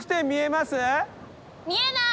見えない？